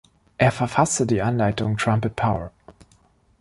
Er verfasste die Anleitung "Trumpet power.